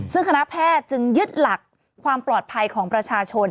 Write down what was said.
ซึ่งคณะแพทย์จึงยึดหลักความปลอดภัยของประชาชน